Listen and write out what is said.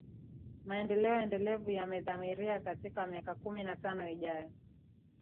Maendeleo endelevu yamedhamiria katika miaka kumi na tano ijayo